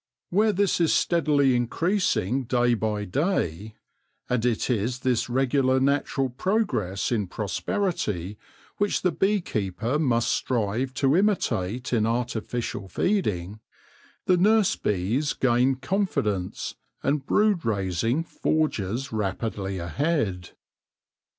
Where this is steadily increasing day by day — and it is this regular natural progress in prosperity which the bee keeper must strive to imitate in artificial feeding — the nurse bees gain con fidence, and brood raising forges rapidly ahead.